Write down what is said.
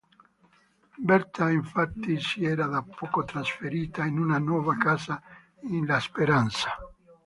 Berta, infatti, si era da poco trasferita in una nuova casa in La Esperanza.